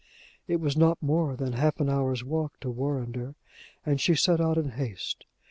It was not more than half an hour's walk to Warrender, and she set out in haste.